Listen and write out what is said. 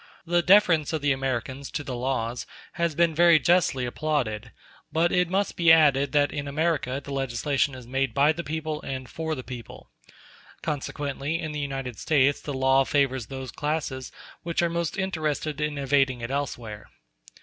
The deference of the Americans to the laws has been very justly applauded; but it must be added that in America the legislation is made by the people and for the people. Consequently, in the United States the law favors those classes which are most interested in evading it elsewhere.